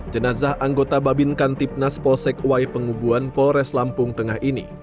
jenazah anggota babin kantipnas polsek wai pengubuan polres lampung tengah ini